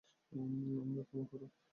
আমাকে ক্ষমা করো।